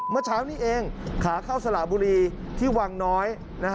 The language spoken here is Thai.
เมื่อเช้านี้เองขาเข้าสระบุรีที่วังน้อย